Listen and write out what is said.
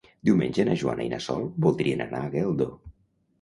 Diumenge na Joana i na Sol voldrien anar a Geldo.